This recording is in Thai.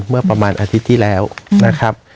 เมื่อประมาณอาทิตย์ที่แล้วนะครับ